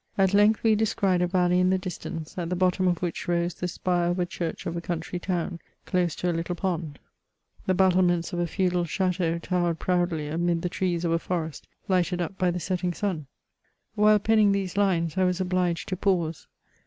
At length, we descried a valley in the distance, at the bottom of which rose the spire of a church of a country town, close to a little pond ; the battlements of a feudal chateau towered proudly amid the trees of a forest, lighted up by the setting sun. While penning these tines, I was obliged to pause.